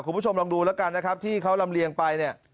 คุณผู้ชมลองดูแล้วกันนะครับที่เขาลำเลียงไปเนี่ย